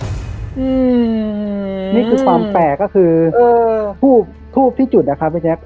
นี่คือความแปลกก็คือทูบทูบที่จุดนะครับพี่แจ๊ค